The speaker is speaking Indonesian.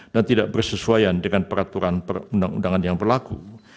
dan tidak bersesuaian dengan peraturan perundang undangan yang berlaku